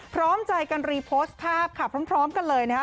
พร้อมใจกันรีโพสต์ภาพค่ะพร้อมกันเลยนะฮะ